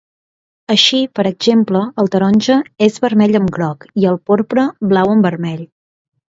Així, per exemple, el taronja és vermell amb groc i el porpra blau amb vermell.